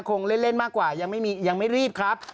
คงเล่นมากกว่ายังไม่รีบครับ